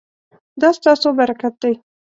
دا ستاسو برکت دی